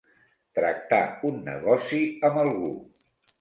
Tractar un negoci amb algú.